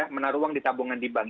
menaruh uang di tabungan di bank